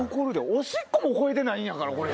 おしっこも超えてないんやから！